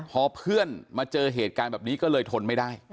พอเพื่อนมาเจอเหตุการณ์แบบนี้ก็เลยทนไม่ได้